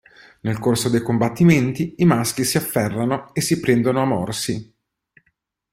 Nel corso dei combattimenti i maschi si afferrano e si prendono a morsi.